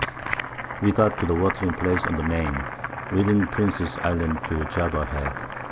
We got to the watering Place on the Main, within Princes Island to Java Head.